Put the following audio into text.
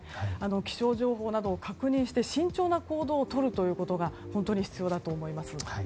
気象情報などを確認して慎重な行動をとることが本当に必要だと思います。